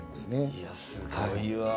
いやすごいわ。